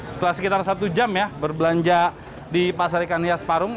setelah sekitar satu jam ya berbelanja di pasar ikan hias parung